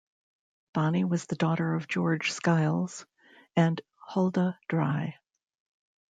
Bonnie was the daughter of George Skiles and Huldah Dry.